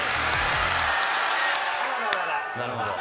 なるほど。